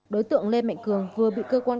đối tượng lê mạnh cường vừa bị cơ quan